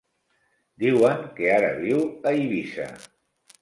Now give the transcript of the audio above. Diuen que ara viu a Eivissa.